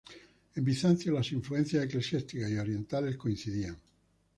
En Bizancio, las influencias eclesiásticas y orientales coincidían.